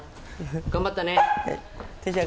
頑張ったね。